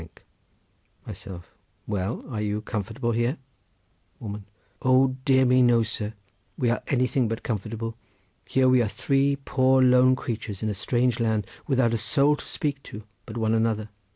Myself.—Well, are you comfortable here? Woman.—O dear me, no, sir! we are anything but comfortable. Here we are three poor lone creatures in a strange land, without a soul to speak to but one another.